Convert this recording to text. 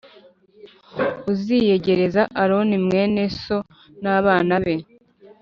Uziyegereze Aroni mwene so n abana be